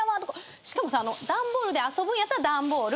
しかも段ボールで遊ぶんやったら段ボール。